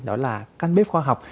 đó là căn bếp khoa học